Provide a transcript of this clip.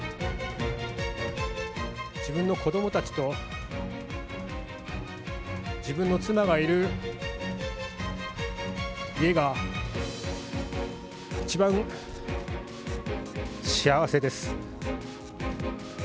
自分の子どもたちと、自分の妻がいる家が、一番幸せです。